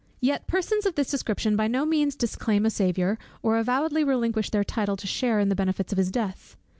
Yet persons of this description by no means disclaim a Saviour, or avowedly relinquish their title to a share in the benefits of his death.